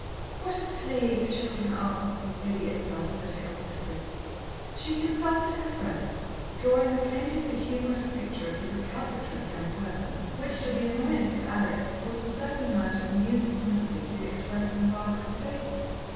"What a plague children are!" Lady Isabel said helplessly. She consulted her friends, drawing a plaintively humorous picture of the recalcitrant young person, which, to the annoyance of Alex, caused a certain amount of amused sympathy to be expressed in Barbara's favour.